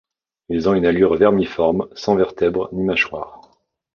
Ils ont une allure vermiforme, sans vertèbres ni mâchoires.